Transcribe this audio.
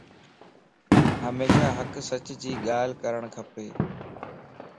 ھميشا ھق سچ جي ڳالھه ڪرڻ کپ